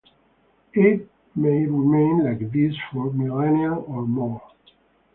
It may remain like this for millennia or more.